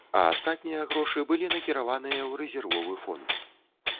А астатнія грошы былі накіраваныя ў рэзервовы фонд.